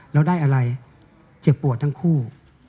แล้วได้อะไรเจ็บปวดทั้งคู่